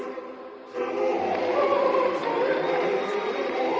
tidak ada yang bisa dihukum